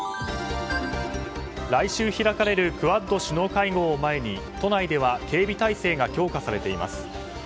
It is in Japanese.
来週開かれるクアッド首脳会合を前に都内では警備態勢が強化されています。